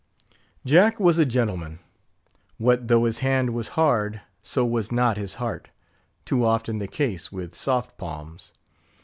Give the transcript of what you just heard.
Jack was a gentleman. What though his hand was hard, so was not his heart, too often the case with soft palms.